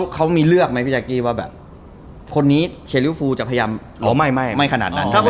เค้ามีเลือกไหมพี่จักรีว่าแบบคนนี้เชลล์ฟูจะพยายามไม่ขนาดนั้น